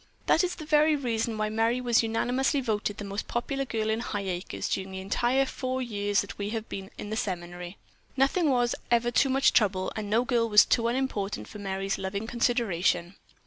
"That's the very reason why Merry was unanimously voted the most popular girl in Highacres during the entire four years that we have been at the seminary. Nothing was ever too much trouble, and no girl was too unimportant for Merry's loving consideration."